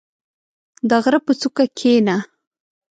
• د غره په څوکه کښېنه.